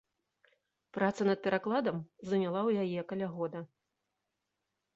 Праца над перакладам заняла ў яе каля года.